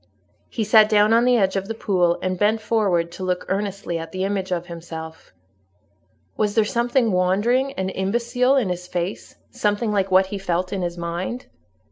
He sat down on the edge of the pool, and bent forward to look earnestly at the image of himself. Was there something wandering and imbecile in his face—something like what he felt in his mind?